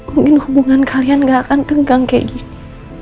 mungkin hubungan kalian gak akan tegang kayak gini